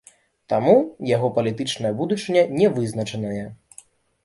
Таму яго палітычная будучыня не вызначаная.